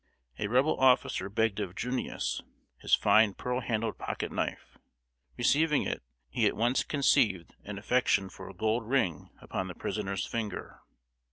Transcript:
A Rebel officer begged of "Junius" his fine pearl handled pocket knife. Receiving it, he at once conceived an affection for a gold ring upon the prisoner's finger.